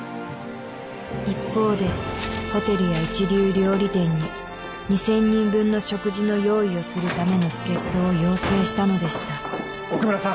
一方でホテルや一流料理店に２０００人分の食事の用意をするための助っ人を要請したのでした奥村さん